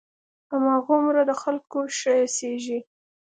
هماغومره د خلقو ښه اېسېږي.